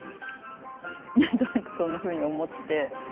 なんとなくそんなふうに思って。